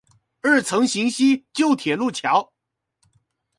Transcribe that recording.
二層行溪舊鐵路橋